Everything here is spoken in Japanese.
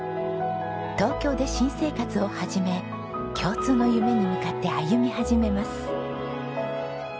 東京で新生活を始め共通の夢に向かって歩み始めます。